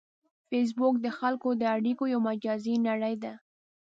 فېسبوک د خلکو د اړیکو یو مجازی نړۍ ده